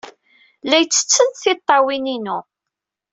La iyi-ttettent tiṭṭawin-inu.